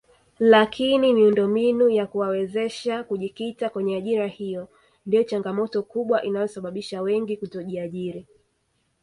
Lakini miundombinu ya kuwawezesha kujikita kwenye ajira hiyo ndio changamoto kubwa inayosababisha wengi kutojiajiri